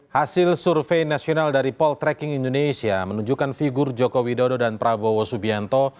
hasil survei nasional dari poltreking indonesia menunjukkan figur joko widodo dan prabowo subianto